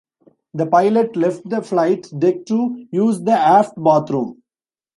The pilot left the flight deck to use the aft bathroom.